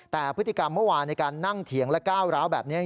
แต่พฤติกรรมเมื่อวานในการนั่งเถียงและก้าวร้าวแบบนี้